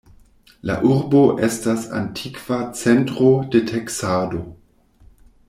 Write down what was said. La urbo estas antikva centro de teksado.